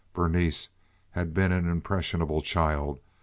Berenice had been an impressionable child.